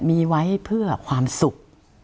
มีไว้เพื่อความสุข